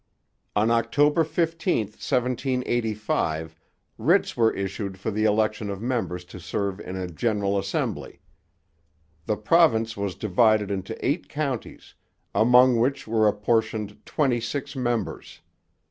On October 15, 1785, writs were issued for the election of members to serve in a general assembly. The province was divided into eight counties, among which were apportioned twenty six members.